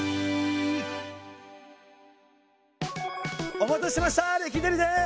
お待たせしましたレキデリです！